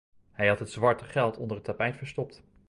Hij had het zwarte geld onder het tapijt verstopt.